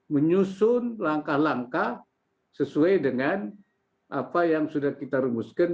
menyusun langkah langkah sesuai dengan apa yang sudah kita rumuskan